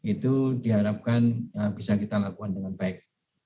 itu diharapkan bisa kita lakukan dengan baik